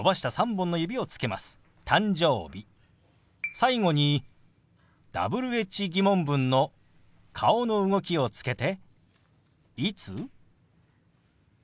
最後にＷｈ−疑問文の顔の動きをつけて「いつ？」。